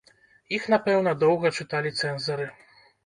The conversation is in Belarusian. Іх, напэўна, доўга чыталі цэнзары.